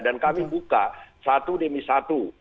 dan kami buka satu demi satu